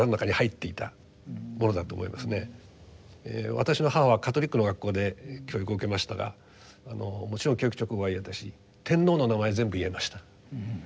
私の母はカトリックの学校で教育を受けましたがもちろん教育勅語は言えたし天皇の名前全部言えました。